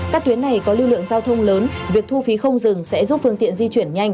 các tuyến này có lưu lượng giao thông lớn việc thu phí không dừng sẽ giúp phương tiện di chuyển nhanh